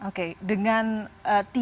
oke dengan tidak melunasi